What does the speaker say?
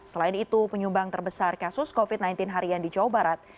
selain itu penyumbang terbesar kasus covid sembilan belas harian di jawa barat